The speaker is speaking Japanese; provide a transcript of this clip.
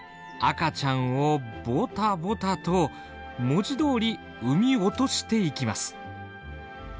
赤ちゃんをボタボタと文字どおり産み落としていきます。